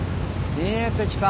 見えてきた。